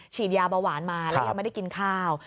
ฉีดยาเบาหวานมาแล้วยังไม่ได้กินข้าว